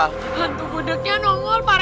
hantu budaknya nongol pak rt